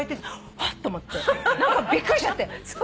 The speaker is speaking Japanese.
ハッと思ってびっくりしちゃって。